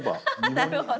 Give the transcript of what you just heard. なるほど。